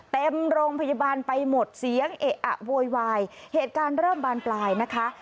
เต็มโรงพยาบาลไปหมดเสียงเอะอะโวยวายเหตุการณ์เริ่มบานปลายนะคะ